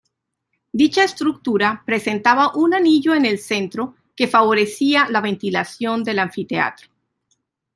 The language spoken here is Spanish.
Dicha estructura presentaba un anillo en el centro que favorecía la ventilación del anfiteatro.